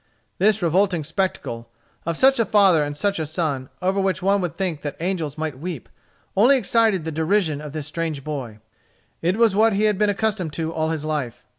This revolting spectacle, of such a father and such a son, over which one would think that angels might weep, only excited the derision of this strange boy. It was what he had been accustomed to all his life.